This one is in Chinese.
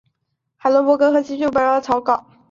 海伦伯格和编剧希尔将其写成了草稿。